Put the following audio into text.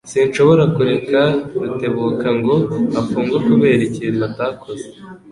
Sinshobora kureka Rutebuka ngo afungwe kubera ikintu atakoze.